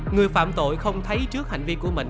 người phạm tội không thấy trước hành vi của mình